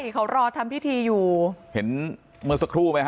เขารอทำพิธีอยู่เห็นเมื่อสักครู่ไหมฮ